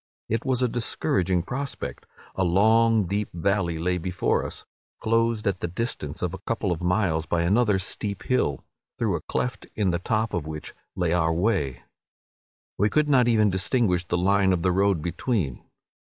It was a discouraging prospect; a long deep valley lay before us, closed at the distance of a couple of miles by another steep hill, through a cleft in the top of which lay our way. We could not even distinguish the line of the road between.